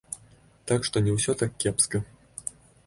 Так што не ўсё так кепска.